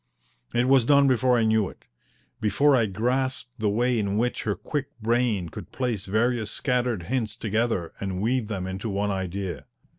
It was done before I knew it before I grasped the way in which her quick brain could place various scattered hints together and weave them into one idea.